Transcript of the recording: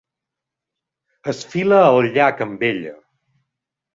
Es fila al llac amb ella.